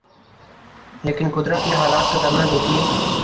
لیکن قدرت یا حالات کا کرنا دیکھیے۔